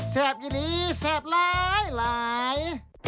แสบอย่างนี้แสบหลาย